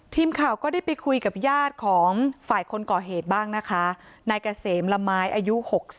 ทีมข่าวก็ได้ไปคุยกับญาติของฝ่ายคนก่อเหตุบ้างนะคะนายเกษมละไม้อายุ๖๐